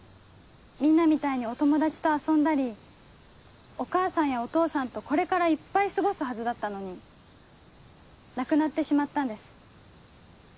みんなみたいにお友達と遊んだりお母さんやお父さんとこれからいっぱい過ごすはずだったのに亡くなってしまったんです。